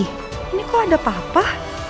ini kok ada papa